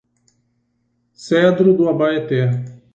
Cedro do Abaeté